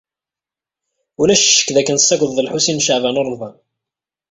Ulac ccek dakken tessaggdeḍ Lḥusin n Caɛban u Ṛemḍan.